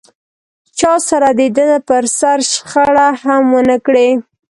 چا سره دده پر سر شخړه هم و نه کړي.